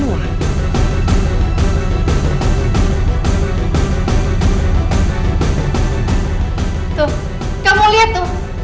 tuh kamu liat tuh